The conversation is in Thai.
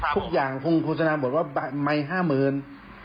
ทุกอย่างพรุ่งโครงสนาหมดว่ามันมาย๕๐๐๐๐